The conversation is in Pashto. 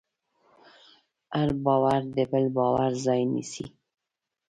هر باور د بل باور ځای نيسي.